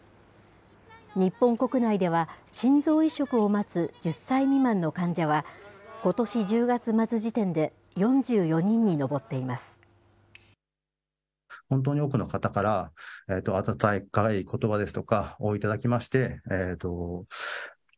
日本国内では、心臓移植を待つ１０歳未満の患者は、ことし１０月末時点で４４人に上っています。